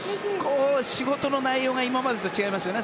仕事の内容が今までと違いますよね。